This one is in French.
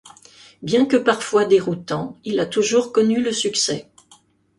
Bien que parfois déroutant, il a toujours connu le succès.